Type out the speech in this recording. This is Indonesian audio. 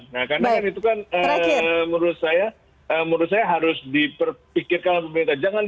nah karena itu kan menurut saya harus diperpikirkan oleh pemerintah